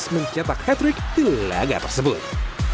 dan tetap tertata dengan baik